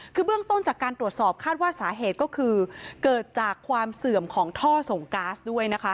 คือเบื้องต้นจากการตรวจสอบคาดว่าสาเหตุก็คือเกิดจากความเสื่อมของท่อส่งก๊าซด้วยนะคะ